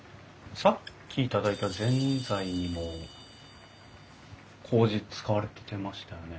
さっき頂いたぜんざいにもこうじ使われてましたよね？